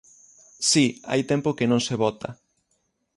Si, hai tempo que non se bota.